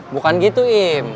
bukan gitu im